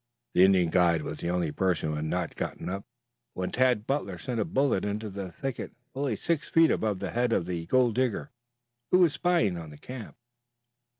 The Indian guide was the only person who had not gotten up when Tad Butler sent a bullet into the thicket fully six feet above the head of the gold digger who was spying on the camp.